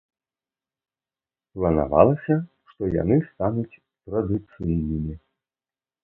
Планавалася, што яны стануць традыцыйнымі.